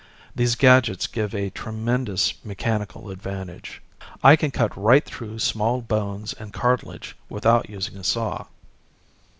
"These gadgets give a tremendous mechanical advantage. I can cut right through small bones and cartilage without using a saw."